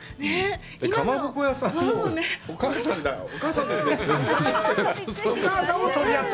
かまぼこ屋さんの、お母さんですよって。